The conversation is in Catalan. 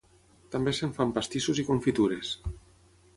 També se'n fan pastissos i confitures.